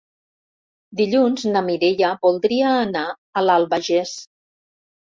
Dilluns na Mireia voldria anar a l'Albagés.